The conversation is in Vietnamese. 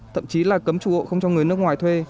thậm chí là cấm chủ hộ không cho người nước ngoài thuê